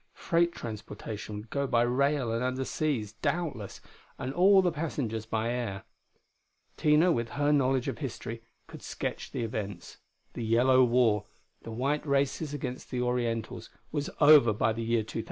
Freight transportation would go by rail and underseas, doubtless, and all the passengers by air.... Tina, with her knowledge of history, could sketch the events. The Yellow War the white races against the Orientals was over by the year 2000.